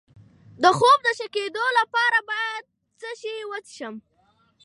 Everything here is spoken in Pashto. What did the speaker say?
د خوب د ښه کیدو لپاره باید څه شی وڅښم؟